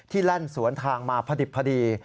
ที่แล่นสวนทางมาพระดิบพระดี